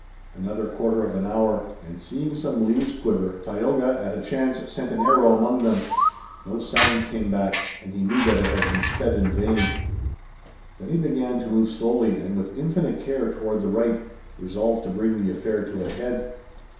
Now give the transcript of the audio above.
Another quarter of an hour, and seeing some leaves quiver, Tayoga, at a chance, sent an arrow among them. No sound came back, and he knew that it had been sped in vain. Then he began to move slowly and with infinite care toward the right, resolved to bring the affair to a head.